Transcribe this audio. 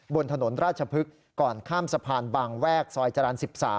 บนถนนราชพฤกษ์ก่อนข้ามสะพานบางแวกซอยจรรย์๑๓